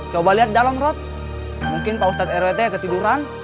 coba liat dalem rod mungkin pak ustadz rwt ketiduran